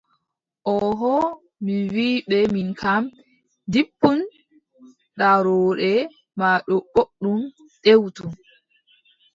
Ooho mi wii ɓe min kam, jippun daarooɗe ma ɗo booɗɗum, deʼutu.